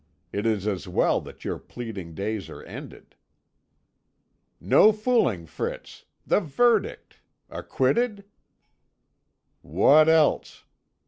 It is as well that your pleading days are ended." "No fooling, Fritz. The verdict; Acquitted?" "What else?